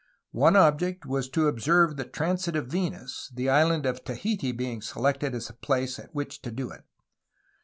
One object was to observe the transit of Venus, the Island of Tahiti being selected as the place at which to do it.